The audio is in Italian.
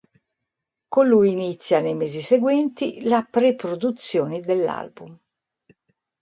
Con lui inizia, nei mesi seguenti, la pre-produzione dell'album.